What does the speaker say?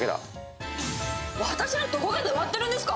「私のどこが訛ってるんですか！？」